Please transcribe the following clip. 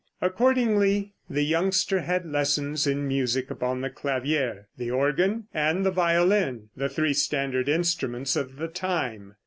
Accordingly the youngster had lessons in music upon the clavier, the organ and the violin, the three standard instruments of the time.